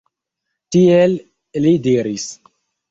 Tiel li diris.